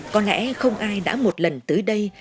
có lẽ không ai đã một lần tới đây